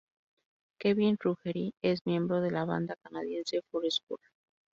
Kevin Ruggeri es miembro de la banda canadiense Four Square.